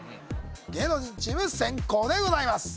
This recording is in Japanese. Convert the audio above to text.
芸能人チーム先攻でございます